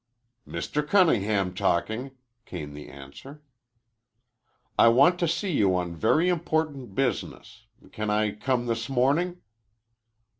"Mr. Cunningham talking," came the answer. "I want to see you on very important business. Can I come this morning?"